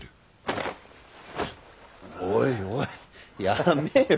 ちょおいおいやめよ。